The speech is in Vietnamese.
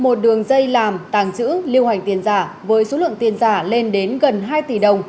một đường dây làm tàng trữ lưu hành tiền giả với số lượng tiền giả lên đến gần hai tỷ đồng